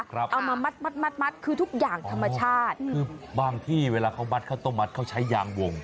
เอามามัดมัดคือทุกอย่างธรรมชาติคือบางที่เวลาเขามัดข้าวต้มมัดเขาใช้ยางวง